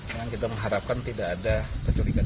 yang kita mengharapkan tidak ada kecurigaan